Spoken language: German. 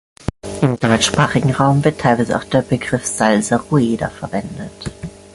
Im deutschsprachigen Raum wird teilweise auch der Begriff 'Salsa Rueda' verwendet.